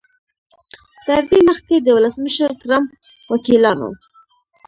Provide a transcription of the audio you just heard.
تر دې مخکې د ولسمشر ټرمپ وکیلانو